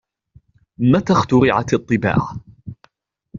متى اخترعت الطباعة ؟